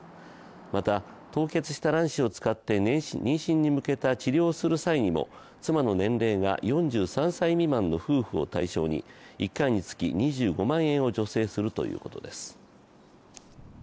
また凍結した卵子を使って妊娠に向けた治療をする際にも妻の年齢が４３歳未満の夫婦を対象に１回につき２５万円を助成するということです。